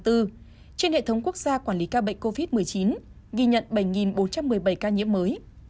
trên hệ thống quốc gia quản lý ca bệnh covid một mươi chín ghi nhận bảy bốn trăm một mươi bảy ca nhiễm mới